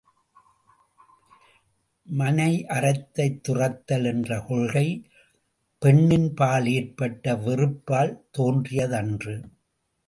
மனையறத்தைத் துறத்தல் என்ற கொள்கை, பெண்ணின்பால் ஏற்பட்ட வெறுப்பால் தோன்றியதன்று.